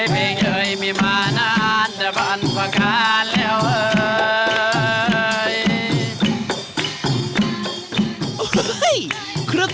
มีเมื่อนั้นสับปันควากอ้านแล้วเว้ย